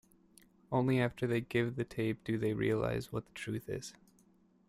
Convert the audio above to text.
Only after they give the tape do they realise what the truth is.